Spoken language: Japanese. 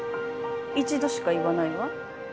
一度しか言わないわ。